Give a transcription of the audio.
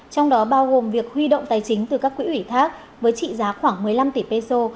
trong đó bao gồm việc huy động tài chính từ các quỹ ủy thác với trị giá khoảng một mươi năm tỷ peso